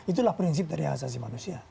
itulah prinsip dari asasi manusia